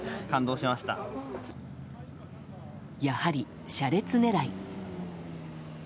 やはり、車列狙い。